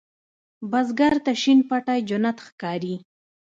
بزګر ته شین پټی جنت ښکاري